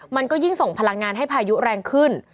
มันก็ยิ่งส่งพลังงานให้พายุแรงขึ้น